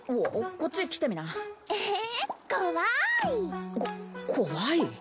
こ怖い？